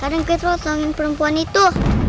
kadang kita rosongin perempuan itu